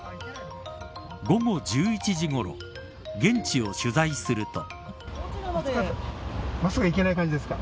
午後１１時ごろ現地を取材すると。